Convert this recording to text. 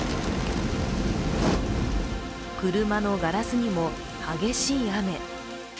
車のガラスにも激しい雨。